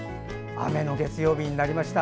雨の月曜日になりました。